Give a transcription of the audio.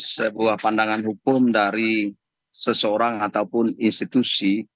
sebuah pandangan hukum dari seseorang ataupun institusi